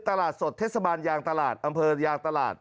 ตลาดสดเทศบาลยางตลาดอำเภอยางตลาด